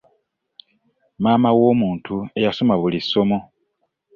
Maama w'omuntu eyasoma buli ssomo.